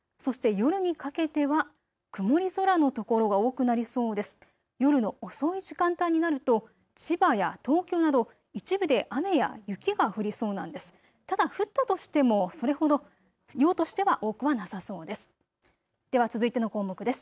夜の遅い時間帯になると千葉や東京など一部で雨や雪が降りそうなんです。